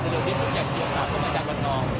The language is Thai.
ทีเรียนเลือดนี้ผมอยากติดตามพวกอวันดอน